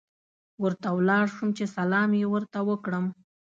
ورته ولاړ شوم چې سلام یې ورته وکړم.